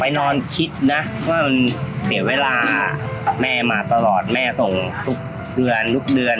นอนคิดนะว่ามันเสียเวลาแม่มาตลอดแม่ส่งทุกเดือนทุกเดือน